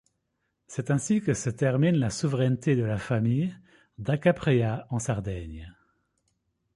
C'est ainsi que se termine la souveraineté de la famille da Capraia en Sardaigne.